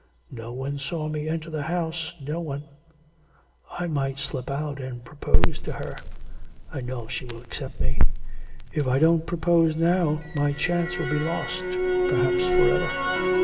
No one saw me enter the house no one; I might slip out and propose to her. I know she will accept me. If I don't propose now my chance will be lost, perhaps for ever.